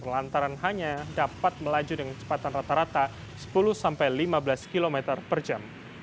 lantaran hanya dapat melaju dengan cepatan rata rata sepuluh lima belas km per jam